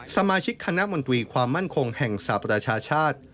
สมาชิกคณะมนตรีความมั่นคงแห่งสหประชาชาติ